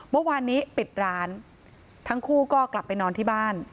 เมื่อวานนี้ปิดร้านทั้งคู่ก็กลับไปนอนที่บ้าน